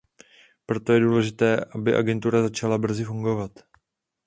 Proto je důležité, aby agentura začala brzy fungovat.